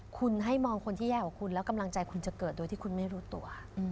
คุณให้มองคนที่แย่กว่าคุณแล้วกำลังใจคุณจะเกิดโดยที่คุณไม่รู้ตัว